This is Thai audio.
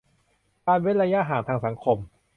การเว้นระยะห่างทางสังคม